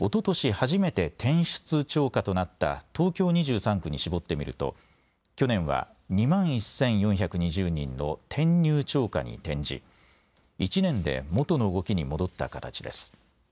初めて転出超過となった東京２３区に絞って見ると去年は２万１４２０人の転入超過に転じ１年で元の動きに戻った形です。